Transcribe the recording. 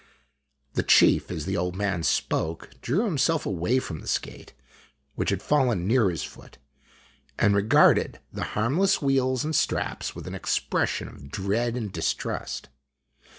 The chief, as the old man spoke, drew himself away from the skate, which had fallen near his foot, and regarded the harmless wheels and straps with an expression of dread and distrust.